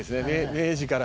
明治から。